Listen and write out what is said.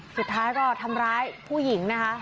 สุดท้ายก็ทำร้ายผู้หญิงนะคะ